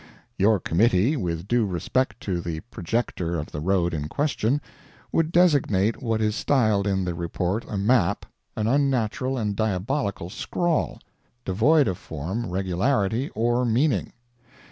Your committee, with due respect to the projector of the road in question, would designate what is styled in the report a map, an unnatural and diabolical scrawl, devoid of form, regularity or meaning.